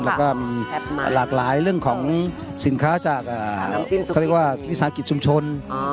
แล้วก็มีหลากหลายเรื่องของสินค้าจากวิศาสตร์อังกฤษชุมชน